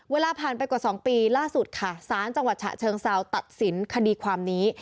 เวลาผ่านไปกว่า๒ปีล่าสุดค่ะสารจังหวัดฉะเชิงเซาตัดสินคดีความนี้